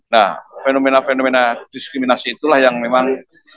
nah fenomena fenomena diskriminasi itulah yang memang